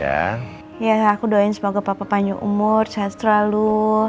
aku doain semoga papa panjang umur sehat selalu